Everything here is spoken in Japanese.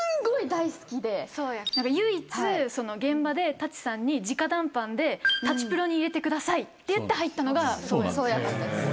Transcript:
唯一現場で舘さんに直談判で舘プロに入れてくださいって言って入ったのが想矢君。